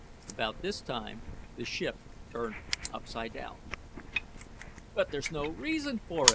About this time the ship turned upsidedown. "But there's no reason for it!"